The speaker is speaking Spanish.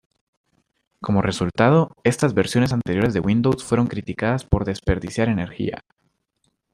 Como resultado, estas versiones anteriores de Windows fueron criticadas por desperdiciar energía.